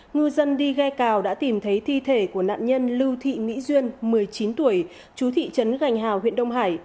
ngư dân đi ghe cào đã tìm thấy thi thể của nạn nhân lưu thị mỹ duyên một mươi chín tuổi chú thị trấn gành hào huyện đông hải